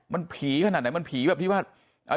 มันผีขนาดไหนมันผีแบบที่ว่า